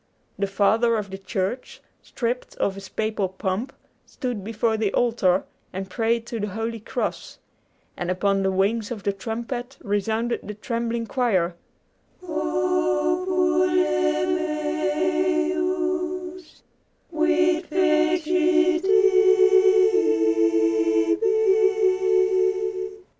The father of the church, stripped of his papal pomp, stood before the altar, and prayed to the holy cross; and upon the wings of the trumpet resounded the trembling choir, 'Populus meus quid feci tibi?'